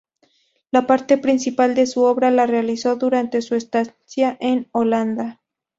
La parte principal de su obra la realizó durante su estancia en Holanda.